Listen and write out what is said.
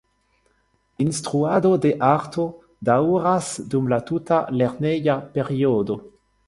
Instruado de arto daŭras dum la tuta lerneja periodo.